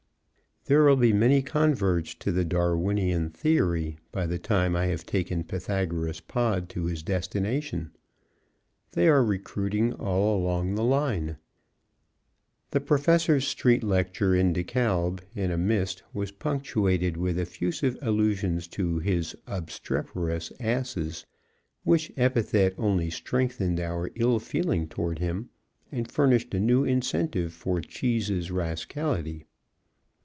_ There will be many converts to the Darwinian Theory by the time I have taken Pythagoras Pod to his destination. They are recruiting all along the line. The Professor's street lecture in De Kalb in a mist was punctuated with effusive allusions to his "obstreperous asses," which epithet only strengthened our ill feeling toward him, and furnished a new incentive for Cheese's rascality.